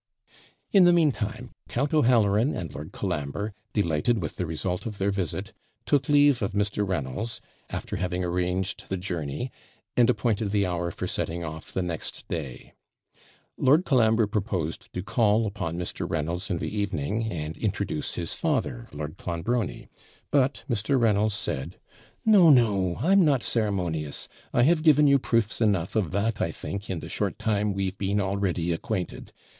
In the meantime Count O'Halloran and Lord Colambre, delighted with the result of their visit, took leave of Mr. Reynolds, after having arranged the journey, and appointed the hour for setting off the next day. Lord Colambre proposed to call upon Mr. Reynolds in the evening, and introduce his father, Lord Clonbrony; but Mr. Reynolds said 'No, no! I'm not ceremonious. I have given you proofs enough of that, I think, in the short time we've been already acquainted.